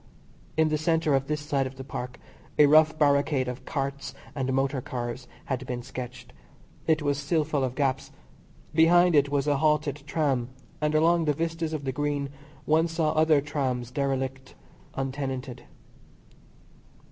In the centre of this side of the Park a rough barricade of carts and motor cars had been sketched. It was still full of gaps. Behind it was a halted tram, and along the vistas of the Green one saw other trams derelict, untenanted.